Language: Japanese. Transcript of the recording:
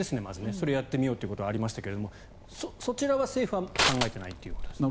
それをやってみようということがありましたけどそちらは政府は考えていないということですか？